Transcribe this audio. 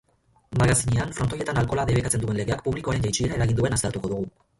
Magazinean, frontoietan alkohola debekatzen duen legeak publikoaren jaitsiera eragin duen aztertuko dugu.